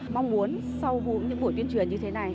mong muốn sau những buổi tuyên truyền như thế này